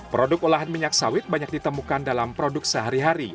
produk olahan minyak sawit banyak ditemukan dalam produk sehari hari